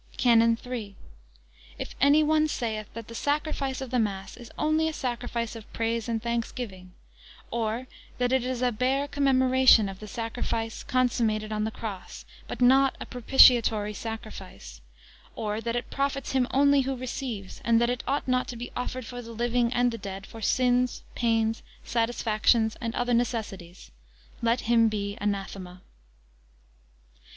CANON III. If any one saith, that the sacrifice of the mass is only a sacrifice of praise and of thanksgiving; or, that it is a [Page 159] bare commemoration of the sacrifice consummated on the cross, but not a propitiatory sacrifice; or, that it profits him only who receives; and that it ought not to be offered for the living and the dead for sins, pains, satisfactions, and other necessities; let him be anathema.